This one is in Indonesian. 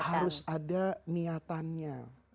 itu harus ada niatannya